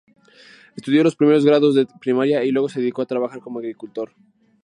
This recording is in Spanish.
Estudió los primeros grados de primaria y luego se dedicó a trabajar como agricultor.